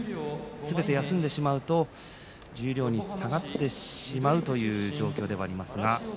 すべて休んでしまうと十両に下がってしまうという状況ではあります。